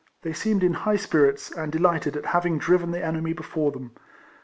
They seemed in high spirits, and delighted at having driven the enemy before them.